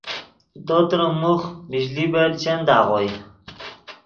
تو تریم موخ بژلی بل چند آغوئے